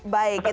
baik itu dia ya